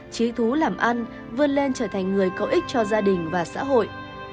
trí thú làm ăn vươn lên trở thành người có ích cho gia đình và xã hội